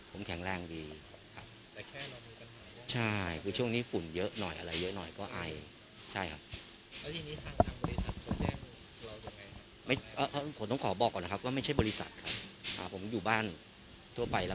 คือตัวพี่ยังเป็นคนแข็งแรงไม่ครับผมแข็งแรงดีครับแต่แค่เรามีปัญหาว่า